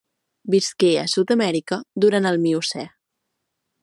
Visqué a Sud-amèrica durant el Miocè.